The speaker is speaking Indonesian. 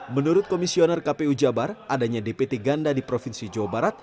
menurut komisioner kpu jabar adanya dpt ganda di provinsi jawa barat